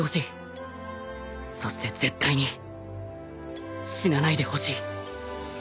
そして絶対に死なないでほしい。